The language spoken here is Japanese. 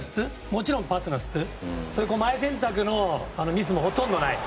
もちろんパスの質その前選択のミスもほとんどない。